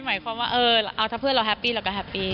หมายความว่าถ้าเพื่อนเราแฮปปี้เราก็แฮปปี้